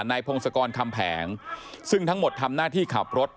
พงศกรคำแผงซึ่งทั้งหมดทำหน้าที่ขับรถ